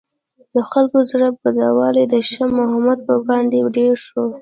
د خلکو زړه بدوالی د شاه محمود په وړاندې ډېر شو.